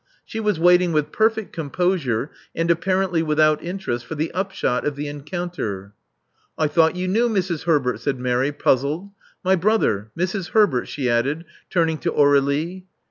She was waiting with perfect composure and apparently without interest for the upshot of the encounter. I thought you knew Mrs. Herbert," said Mary, puzzled. My brother, Mrs. Herbert," she added, turning to Aur^lie.